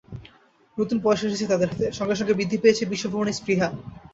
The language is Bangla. নতুন পয়সা এসেছে তাদের হাতে, সঙ্গে সঙ্গে বৃদ্ধি পেয়েছে বিশ্বভ্রমণের স্পৃহা।